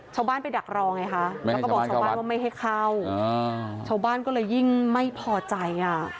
ชาวบ้านไปดักรอไงคะแล้วก็บอกชาวบ้านว่าไม่ให้เข้าชาวบ้านก็เลยยิ่งไม่พอใจอ่ะ